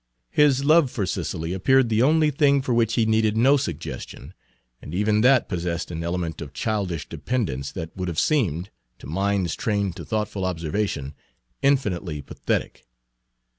His love for Cicely appeared the only thing for which he needed no suggestion; and even that possessed an element of childish dependence that would have seemed, to minds trained to thoughtful observation, infinitely pathetic.